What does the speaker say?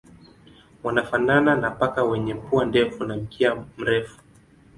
Wanafanana na paka wenye pua ndefu na mkia mrefu.